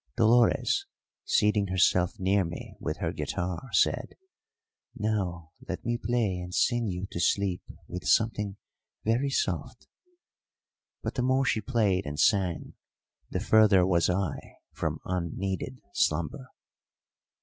Dolores, seating herself near me with her guitar, said, "Now let me play and sing you to sleep with something very soft." But the more she played and sang the further was I from un needed slumber.